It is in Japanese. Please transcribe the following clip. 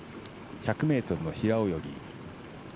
１００ｍの平泳ぎ。